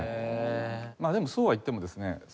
まあでもそうはいってもですね